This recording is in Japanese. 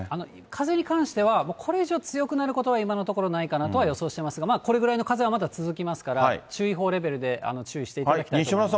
風に関しては、これ以上強くなることは今のところないかなとは予想してますが、これぐらいの風はまだ続きますから、注意報レベルで注意していただきたいと思います。